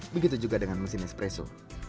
begitu juga dengan mesin espresso